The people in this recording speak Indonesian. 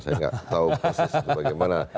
saya nggak tahu persis itu bagaimana